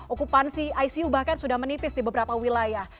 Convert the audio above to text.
okupansi icu bahkan sudah menipis di beberapa wilayah